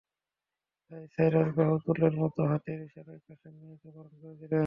তাই সাইরাজ বাহু তোলোর মতো হাতের ইশারায় কাশেম মিয়াকে বারণ করে দিলেন।